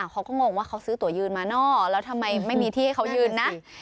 เขาก็งงว่าเขาซื้อตัวยืนมานอกแล้วทำไมไม่มีที่ให้เขายืนนะ